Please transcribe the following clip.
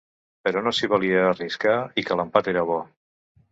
Però no s’hi valia a arriscar i que l’empat era bo.